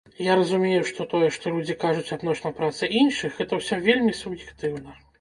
Я разумею, што тое, што людзі кажуць адносна працы іншых, гэта ўсё вельмі суб'ектыўна.